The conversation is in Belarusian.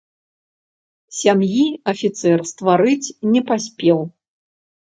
Сям'і афіцэр стварыць не паспеў.